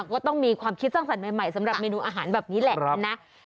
ก็ต้องมีความคิดสร้างสรรค์ใหม่สำหรับเมนูอาหารแบบนี้แหละนะ